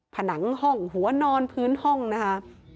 ผนังห้องหัวนอนพื้นห้องนะคะ